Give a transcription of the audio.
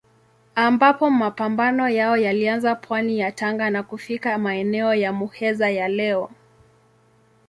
Ambapo mapambano yao yalianza pwani ya Tanga na kufika maeneo ya Muheza ya leo.